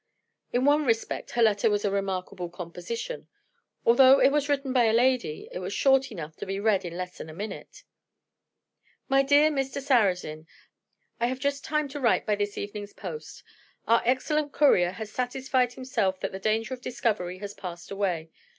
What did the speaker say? In one respect her letter was a remarkable composition. Although it was written by a lady, it was short enough to be read in less than a minute: "MY DEAR MR. SARRAZIN I have just time to write by this evening's post. Our excellent courier has satisfied himself that the danger of discovery has passed away.